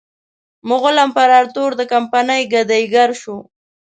مغول امپراطور د کمپنۍ ګدایي ګر شو.